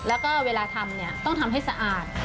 แล้วก็เวลาทำเนี่ยต้องทำให้สะอาด